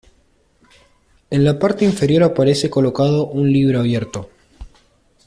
En la parte inferior aparece colocado un libro abierto.